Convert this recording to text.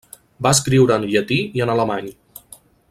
Va escriure en llatí i en alemany.